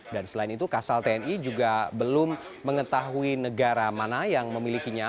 dan selain itu kasal tni juga belum mengetahui negara mana yang memilikinya